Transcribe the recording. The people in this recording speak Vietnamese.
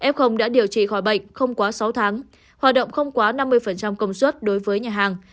f đã điều trị khỏi bệnh không quá sáu tháng hoạt động không quá năm mươi công suất đối với nhà hàng